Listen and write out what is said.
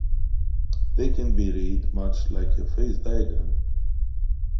They can be read much like a phase diagram.